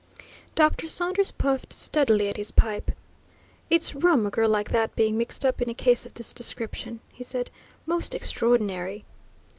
Dr. Saunders puffed steadily at his pipe. "It's rum a girl like that being mixed up in a case of this description," he said. "Most extraordinary."